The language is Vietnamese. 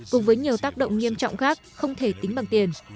cùng với nhiều tác động nghiêm trọng khác không thể tính bằng tiền